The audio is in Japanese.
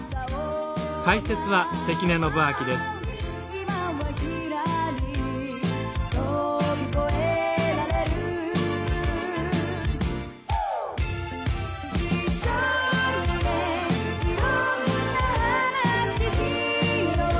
「今はひらり」「飛び越えられる」「一緒にねいろんな話ししよう」